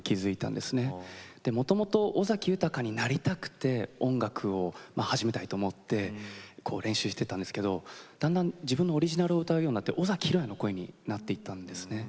もともと尾崎豊になりたくて音楽を始めたいと思って練習してたんですけどだんだん自分のオリジナルを歌うようになって尾崎裕哉の声になっていったんですね。